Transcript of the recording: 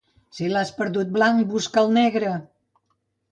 Si l'has perdut blanc, busca'l negre.